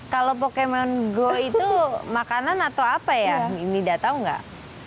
kalau pokemon go itu makanan atau apa ya nida tahu nggak